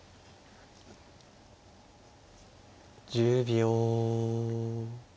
１０秒。